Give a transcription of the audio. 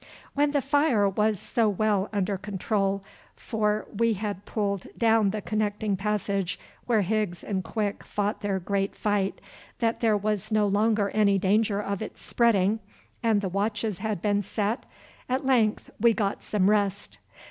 When the fire was so well under control, for we had pulled down the connecting passage where Higgs and Quick fought their great fight, that there was no longer any danger of its spreading, and the watches had been set, at length we got some rest.